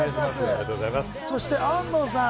そして安藤さん。